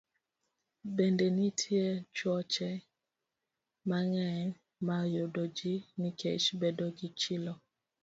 Bende, nitie tuoche mang'eny ma yudo ji nikech bedo gi chilo.